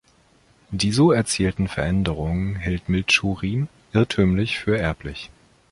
Die so erzielten Veränderungen hielt Mitschurin irrtümlich für erblich.